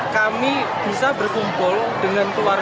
kami bisa berkumpul dengan keluarga